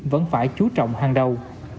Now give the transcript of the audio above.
vẫn phải chú trọng hàng đầu